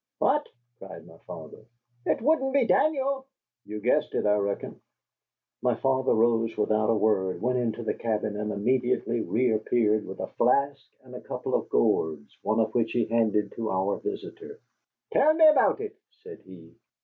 "What!" cried my father, "it wouldn't be Daniel?" "You've guessed it, I reckon." My father rose without a word, went into the cabin, and immediately reappeared with a flask and a couple of gourds, one of which he handed to our visitor. "Tell me aboot it," said he.